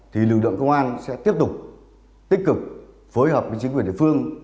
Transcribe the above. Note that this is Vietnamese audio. thì lực lượng công an sẽ tiếp tục tích cực phối hợp với chính quyền địa phương